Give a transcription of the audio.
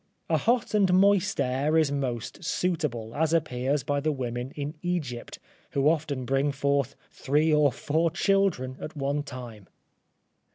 A hot and moist air is most suitable, as appears by the women in Egypt, who often bring forth three or four children at one time.